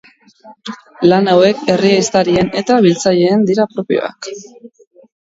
Lan hauek herri ehiztarien eta biltzaileen dira propioak.